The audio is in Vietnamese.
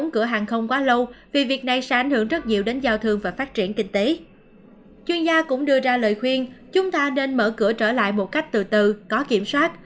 chuyên gia cũng đưa ra lời khuyên chúng ta nên mở cửa trở lại một cách từ từ có kiểm soát